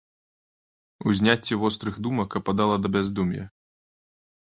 Узняцце вострых думак ападала да бяздум'я.